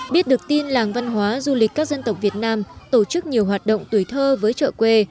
biết được tin làng văn hóa du lịch các dân tộc việt nam tổ chức nhiều hoạt động tuổi thơ với chợ quê